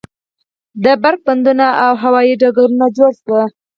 د بریښنا بندونه او هوایی ډګرونه جوړ شول.